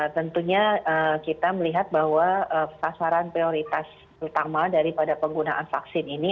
tentunya kita melihat bahwa sasaran prioritas utama daripada penggunaan vaksin ini